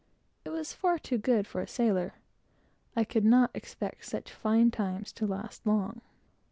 It was far too good for a sailor. I could not expect such fine times to last long.